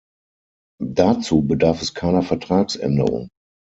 Dazu bedarf es keiner Vertragsänderung.